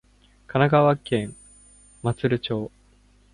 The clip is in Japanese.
神奈川県真鶴町